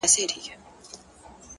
هره تجربه د لید زاویه بدله وي!